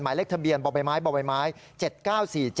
หมายเลขทะเบียนบ่อยไม้